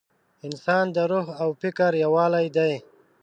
انسان د روح او فکر یووالی دی.